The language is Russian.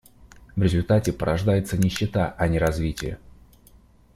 В результате порождается нищета, а не развитие.